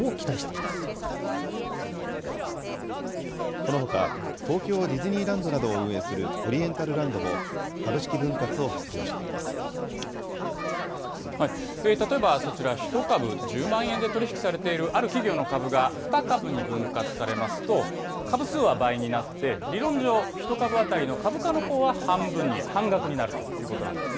このほか、東京ディズニーランドなどを運営するオリエンタルランドも、株式例えばそちら、１株１０万円で取り引きされているある企業の株が２株に分割されますと、株数は倍になって、理論上、１株当たりの株価のほうは半額になるということなんですね。